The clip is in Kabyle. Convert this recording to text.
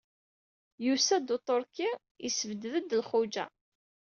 Yusa-d uṭerki, yesbedd-d Lxuǧa.